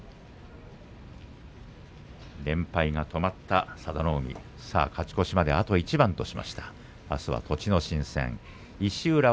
連敗が止まった佐田の海勝ち越しまであと一番です。